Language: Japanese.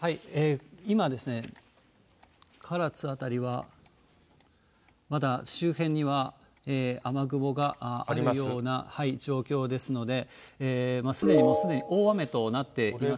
今、唐津辺りはまだ周辺には雨雲があるような状況ですので、すでに、もうすでに大雨となっております。